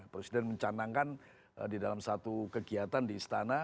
presiden mencanangkan di dalam satu kegiatan di istana